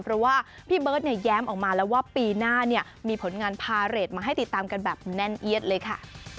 เพราะว่าพี่เบิร์ตเนี่ยแย้มออกมาแล้วว่าปีหน้าเนี่ยมีผลงานพาเรทมาให้ติดตามกันแบบแน่นเอียดเลยค่ะ